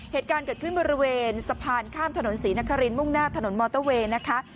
เหตุการณ์เกิดขึ้นบริเวณสะพานข้ามถนนศรีนครินมุ่งหน้าถนนมอเตอร์เวย์นะคะ